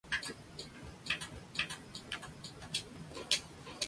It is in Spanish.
En la quinta semana, el sencillo ingresó al lugar seis de la lista.